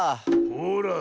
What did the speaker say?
ほら。